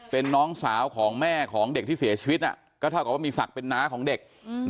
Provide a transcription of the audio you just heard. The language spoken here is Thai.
เป็นน้องสาวของแม่ของเด็กที่เสียชีวิตก็เท่ากับว่ามีศักดิ์เป็นน้าของเด็ก